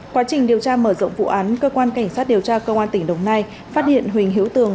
quá trình điều tra mở rộng vụ án cơ quan cảnh sát điều tra công an tp hà nội phát hiện huỳnh hữu tường